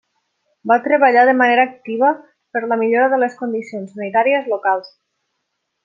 Va treballar de manera activa per la millora de les condicions sanitàries locals.